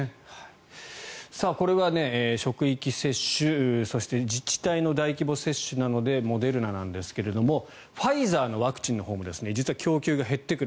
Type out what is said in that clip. これは職域接種そして自治体の大規模接種なのでモデルナなんですがファイザーのワクチンのほうも実は供給が減ってくる。